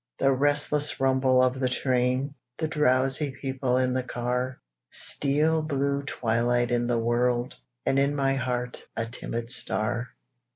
The restless rumble of the train, The drowsy people in the car, Steel blue twilight in the world, And in my heart a timid star.